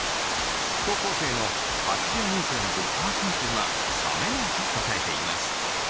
高校生の８２．５％が冷めないと答えています。